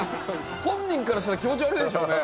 本人からしたら気持ち悪いでしょうね。